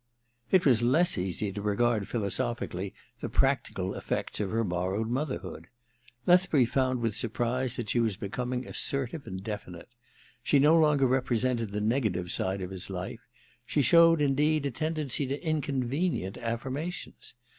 It was less easy to regard philosophically the practical effects of her borrowed motherhood. Lethbury found with surprise that she was be coming assertive and definite. She no longer represented the negative side of his life ; she showed, indeed, a tendency to inconvenient affirmations.